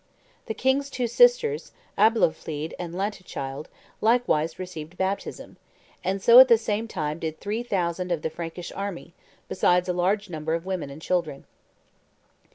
The king's two sisters, Alboflede and Lantechilde, likewise received baptism; and so at the same time did three thousand of the Frankish army, besides a large number of women and children."